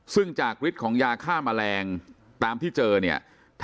ซึ่งจากฤทธิ์ของยาฆ่าแมลงตามที่เจอเนี่ย